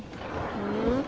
うん？